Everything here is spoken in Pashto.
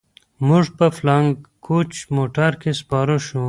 موږ په فلاينګ کوچ موټر کښې سپاره سو.